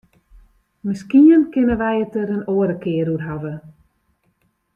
Miskien kinne wy it der in oare kear oer hawwe.